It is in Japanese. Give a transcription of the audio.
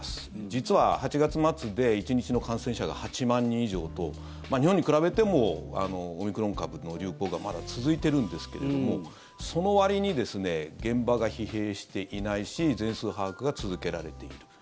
実は８月末で１日の感染者が８万人以上と日本に比べてもオミクロン株の流行がまだ続いているんですけれどもそのわりに現場が疲弊していないし全数把握が続けられている。